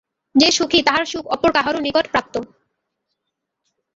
যে সুখী, তাহার সুখ অপর কাহারও নিকট প্রাপ্ত।